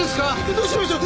どうしましょう？